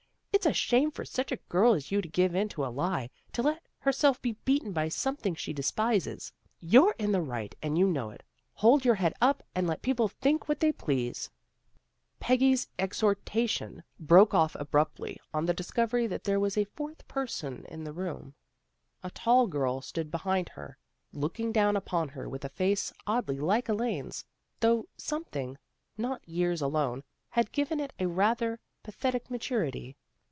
It's a shame for such a girl as you to give in to a lie, to let herself be beaten by something she despises. You're in the right and you know it. Hold your head up and let people think what they please." Peggy's exhortation broke off abruptly on A REMARKABLE EVENING 293 the discovery that there was a fourth person in the room. A tall girl stood behind her, looking down upon her with a face oddly like Elaine's, though something not years alone had given it a rather pathetic maturity.